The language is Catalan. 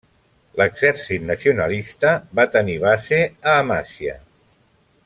L'exèrcit nacionalista va tenir base a Amasya.